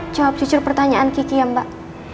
jawab jujur pertanyaan kiki ya mbak